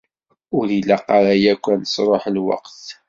Ur ilaq ara yakk ad nesruḥ lweqt.